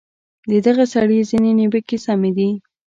د دغه سړي ځینې نیوکې سمې دي.